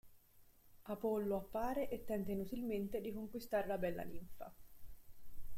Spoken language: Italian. Apollo appare e tenta inutilmente di conquistare la bella ninfa.